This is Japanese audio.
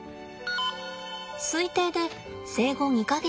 推定で生後２か月です。